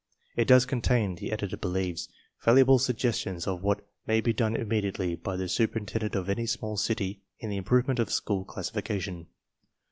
It does contain, the editor believes, valuable suggestions of what may be done immediately by the superintendent of any small city, in the improvement of school classification.